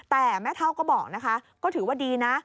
แต่แม่เท่าก็บอกนะคะก็ถือว่าดีนะ